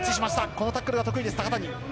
このタックルが得意です高谷。